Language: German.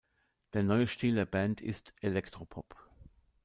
Der neue Stil der Band ist Elektropop.